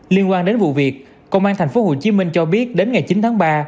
liên quan đến vụ việc công an tp hcm cho biết đến ngày chín tháng ba